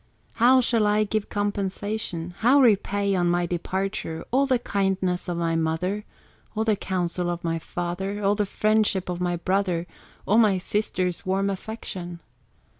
"How shall I give compensation, How repay, on my departure, All the kindness of my mother, All the counsel of my father, All the friendship of my brother, All my sister's warm affection?